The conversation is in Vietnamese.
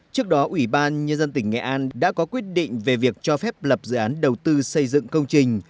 trước đó ủy ban nhân dân tỉnh nghệ an đã có quyết định về việc cho phép lập dự án đầu tư xây dựng công trình